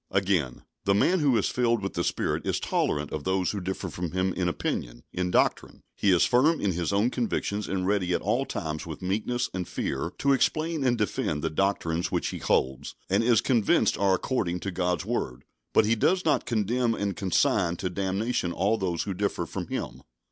Again, the man who is filled with the Spirit is tolerant of those who differ from him in opinion, in doctrine. He is firm in his own convictions, and ready at all times with meekness and fear to explain and defend the doctrines which he holds and is convinced are according to God's word, but he does not condemn and consign to damnation all those who differ from him.